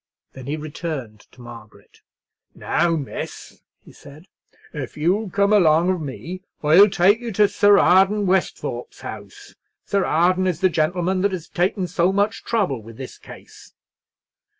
Then he returned to Margaret. "Now, miss," he said, "if you'll come along with me I'll take you to Sir Arden Westhorpe's house. Sir Arden is the gentleman that has taken so much trouble with this case."